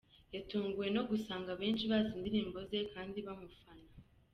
Yatunguwe no gusanga benshi bazi indirimbo ze kandi bamufana.